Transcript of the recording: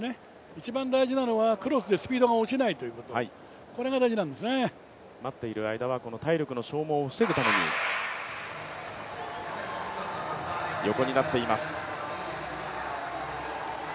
一番大事なのはクロスでスピードが落ちないということ待っている間は体力の消耗を防ぐために横になっています。